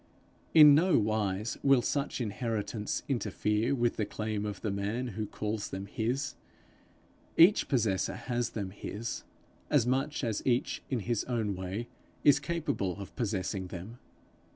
In no wise will such inheritance interfere with the claim of the man who calls them his. Each possessor has them his, as much as each in his own way is capable of possessing them.